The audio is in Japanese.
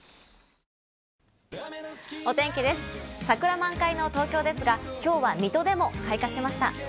桜満開の東京ですが、今日は水戸でも開花しました。